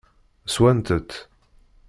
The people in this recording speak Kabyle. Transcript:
Swant-t?